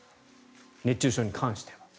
熱中症に関しては。